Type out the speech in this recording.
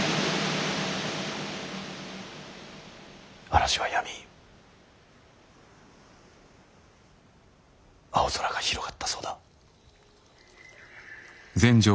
嵐はやみ青空が広がったそうだ。